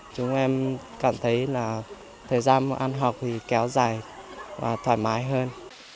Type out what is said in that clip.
chúng em cảm thấy là thời gian ăn học thì kéo dài và thoải mái hơn